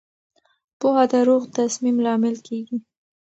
پوهه د روغ تصمیم لامل کېږي.